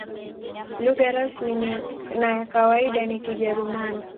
Lugha rasmi na ya kawaida ni Kijerumani.